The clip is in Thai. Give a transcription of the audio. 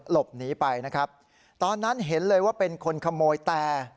หลบหนีไปนะครับตอนนั้นเห็นเลยว่าเป็นคนขโมยแต่